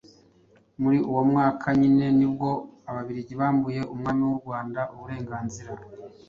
Muli uwo mwaka nyine nibwo Ababiligi bambuye umwami w'u Rwanda uburenganzira